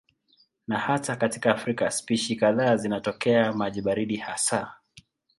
Na hata katika Afrika spishi kadhaa zinatokea maji baridi hasa.